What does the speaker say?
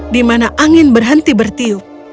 di mana angin berhenti bertiup